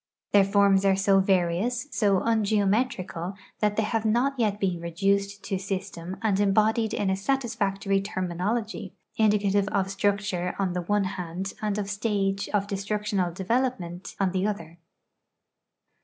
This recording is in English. Their forms are so various, so ungeometrical, that they have not yet been reduced to system and embodied in a satisfactory terminology, indicative of structure on the one hand and of stage of destructional development on the other.